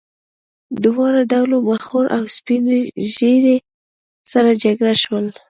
د دواړو ډلو مخور او سپین ږیري سره جرګه شول.